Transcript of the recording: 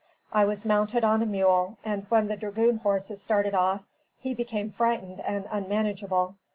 I was mounted on a mule, and when the dragoon horses started off, he became frightened and unmanageable.